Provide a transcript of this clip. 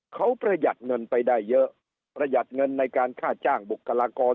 เขาประหยัดเงินไปได้เยอะประหยัดเงินในการค่าจ้างบุคลากร